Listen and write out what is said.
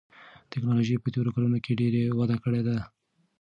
تکنالوژي په تېرو کلونو کې ډېره وده کړې ده.